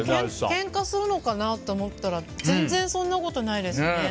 けんかするのかと思ったら全然、そんなことないですね。